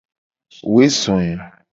Woe zo e.